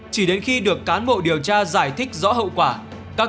chỉ đến khi được cán bộ điều tra giải thích rõ hậu quả